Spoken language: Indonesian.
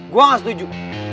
gua gak setuju